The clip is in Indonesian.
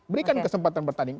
berikan kesempatan bertanding